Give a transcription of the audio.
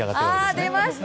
出ました！